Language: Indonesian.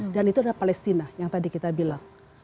dan itu adalah palestina yang tadi kita bilang